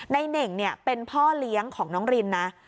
เน่งเป็นพ่อเลี้ยงของน้องรินนะ